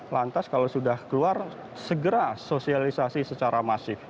lantas kalau sudah keluar segera sosialisasi secara masif